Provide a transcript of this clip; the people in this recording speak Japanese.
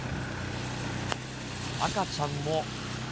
赤ちゃんも。